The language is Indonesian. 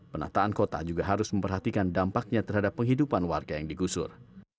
penataan kota juga harus memperhatikan dampaknya terhadap penghidupan warga yang digusur